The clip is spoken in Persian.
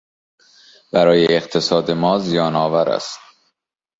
برای اقتصاد ما زیانآور است.